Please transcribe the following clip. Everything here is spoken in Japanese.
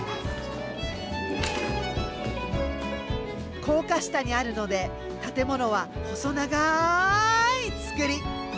高架下にあるので建物は細長い造り。